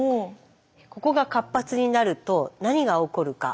ここが活発になると何が起こるか。